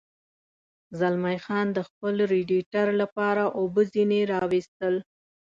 زلمی خان د خپل رېډیټر لپاره اوبه ځنې را ویستل.